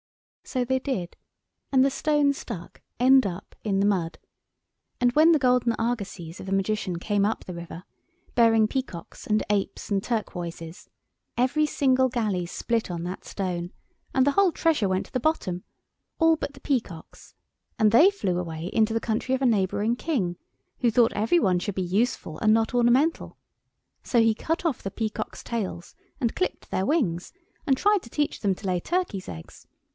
So they did, and the stone stuck, end up, in the mud; and when the golden argosies of the Magician came up the river, bearing peacocks and apes and turquoises, every single galley split on that stone, and the whole treasure went to the bottom; all but the peacocks, and they flew away into the country of a neighbouring King, who thought every one should be useful and not ornamental; so he cut off the peacocks tails, and clipped their wings, and tried to teach them to lay turkey's eggs.